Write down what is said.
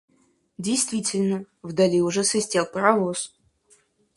Действительно, вдали уже свистел паровоз.